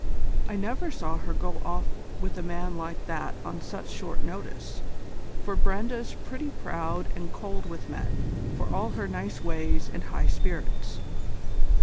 I never saw her go off with a man like that on such short notice, for Brenda's pretty proud and cold with men, for all her nice ways and high spirits."